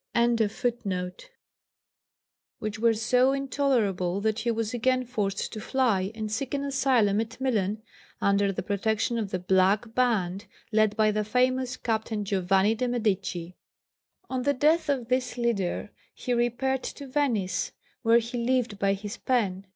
], which were so intolerable that he was again forced to fly and seek an asylum at Milan under the protection of the "black band" led by the famous Captain Giovanni de Medici. On the death of this leader he repaired to Venice, where he lived by his pen.